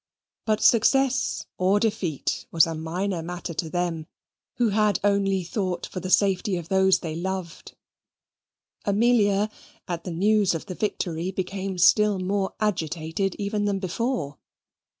But success or defeat was a minor matter to them, who had only thought for the safety of those they loved. Amelia, at the news of the victory, became still more agitated even than before.